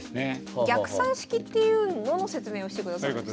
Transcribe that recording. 逆算式っていうのの説明をしてくださるんですね。